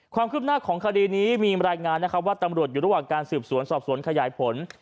ความคืบหน้าของคดีนี้มีรายงานนะครับว่าตำรวจอยู่ระหว่างการสืบสวนสอบสวนขยายผล